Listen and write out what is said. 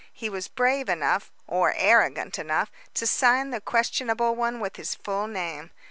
He was brave enough or arrogant enough to sign the questionable one with his full name.